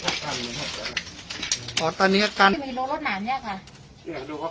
ห้ามท่าเมืองซักคนก็ชอบถึงคุณซักคน